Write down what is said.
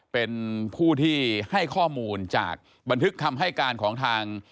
เป็นผู้ที่ให้ข้อมูลจากบันทึกคำให้การของทาง